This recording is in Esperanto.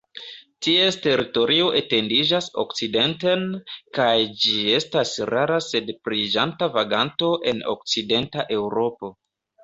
Ties teritorio etendiĝas okcidenten, kaj ĝi estas rara sed pliiĝanta vaganto en okcidenta Eŭropo.